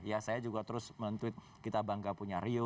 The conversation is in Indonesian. ya saya juga terus men tweet kita bangga punya rio